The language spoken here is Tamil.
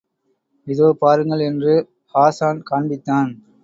இதோ பாருங்கள் என்று ஹாஸான் காண்பித்தான்.